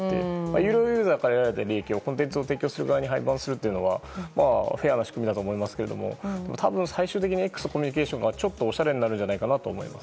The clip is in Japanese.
有料ユーザーから得られた利益をコンテンツに配分するというのはフェアな仕組みだと思いますが多分、最終的に「Ｘ」のコミュニケーションがちょっとおしゃれになるんじゃないかと思います。